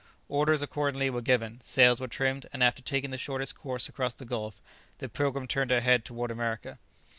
Orders accordingly were given; sails were trimmed; and after taking the shortest course across the gulf, the "Pilgrim" turned her head towards America.